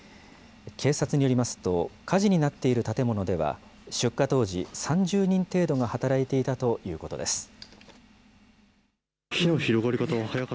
警察によりますと、火事になっている建物では、出火当時、３０人程度が働いていたということです。